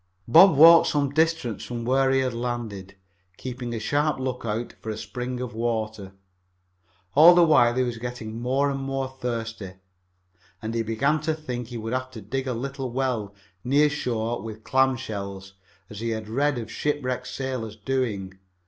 Bob walked some distance from where he had landed, keeping a sharp lookout for a spring of water. All the while he was getting more and more thirsty, and he began to think he would have to dig a little well near shore with clam shells, as he had read of shipwrecked sailors doing.